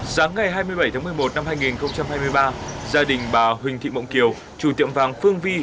sáng ngày hai mươi bảy tháng một mươi một năm hai nghìn hai mươi ba gia đình bà huỳnh thị mộng kiều chủ tiệm vàng phương vi